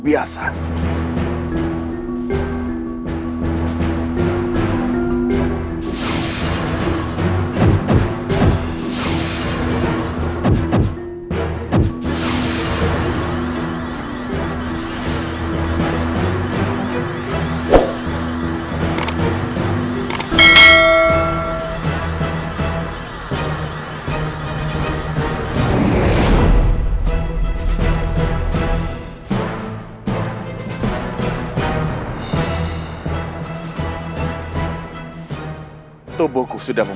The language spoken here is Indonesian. perserujuk sedikit ya